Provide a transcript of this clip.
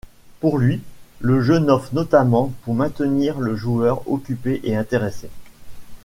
Pour lui, le jeu n’offre notamment pour maintenir le joueur occupé et intéressé.